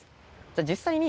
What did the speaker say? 実際に。